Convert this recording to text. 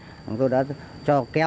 và chúng tôi đã cho kéo